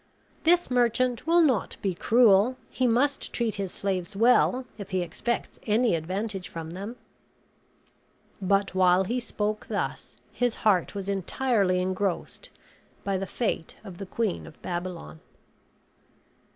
This merchant will not be cruel; he must treat his slaves well, if he expects any advantage from them." But while he spoke thus, his heart was entirely engrossed by the fate of the Queen of Babylon.